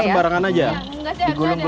kita malah nah gitu ultras stubborn oke